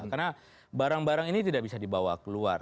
karena barang barang ini tidak bisa dibawa keluar